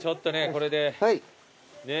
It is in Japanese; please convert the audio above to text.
これでねっ。